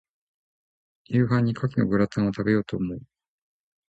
夕飯に牡蠣のグラタンを、食べようと思う。